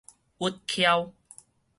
鬱曲